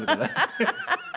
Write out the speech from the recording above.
ハハハハ！